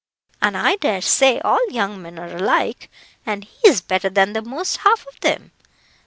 And I dare say all young men are alike; and he's better than the most half of them.